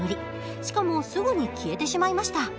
しかもすぐに消えてしまいました。